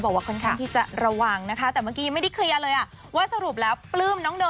บนพีชแชดก็แค่บีวันเร็ว